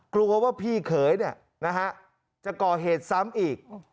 กลัวว่าพี่เขยจะก่อเหตุซ้ำอีก